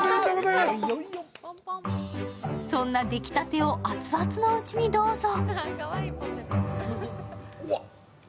そんな出来立てを熱々のうちにどうぞ。